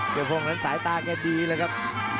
เสียโภงนั้นสายตาก็ดีเลยครับ